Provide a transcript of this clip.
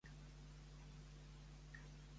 Uncas és el pare de Nathaniel?